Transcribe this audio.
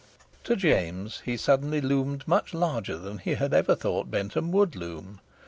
To James he suddenly loomed much larger than he had ever thought Bentham would loom.